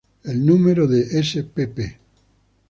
El número de spp.